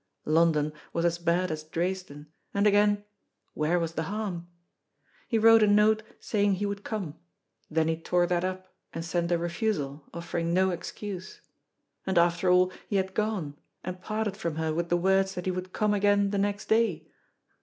London was as bad as Dresden, and again, where was the harm? He wrote a note saying he would come, then he tore that up and sent a refusal, offering no excuse; and after all, he had gone, and parted from her with the words that he would come again the next day.